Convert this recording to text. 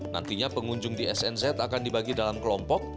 nantinya pengunjung di snz akan dibagi dalam kelompok